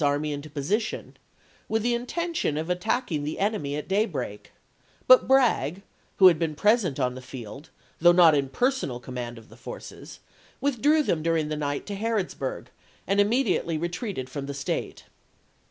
army into position with the intention of attacking the enemy at daybreak, but Bragg, who had been present on the field, though not in personal com mand of the forces, withdrew them during the night to Harrodsburg and immediately retreated from the State.